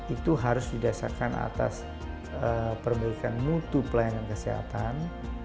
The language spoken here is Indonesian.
itu harus didasarkan atas pemberikan mutu pelayanan kesehatan